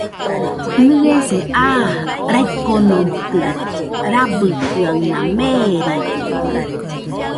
Nɨese aa raikonoitɨ rabɨkɨaɨna, merede